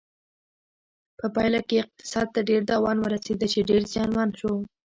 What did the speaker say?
په پایله کې اقتصاد ته ډیر تاوان ورسېده چې ډېر زیانمن شو.